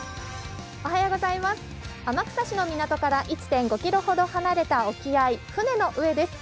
天草市の港から１．５ｋｍほど離れた沖合船の上です。